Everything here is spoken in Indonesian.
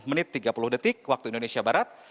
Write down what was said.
tiga puluh menit tiga puluh detik waktu indonesia barat